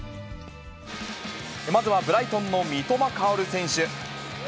まずはブライトンの三笘薫選手。